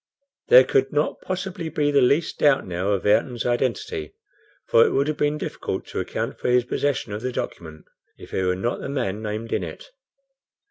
There could not possibly be the least doubt now of Ayrton's identity, for it would have been difficult to account for his possession of the document if he were not the man named in it.